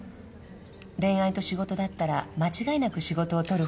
恋愛と仕事だったら間違いなく仕事を取るほうだから。